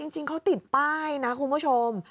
จริงเขาติดป้ายนะคุณผู้ชม